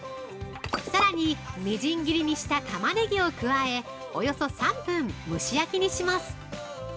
◆さらにみじん切りにしたタマネギを加え、およそ３分蒸し焼きにします。